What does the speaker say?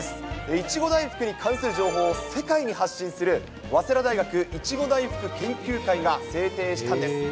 いちご大福に関する情報を世界に発信する、早稲田大学いちご大福研究会が制定したんです。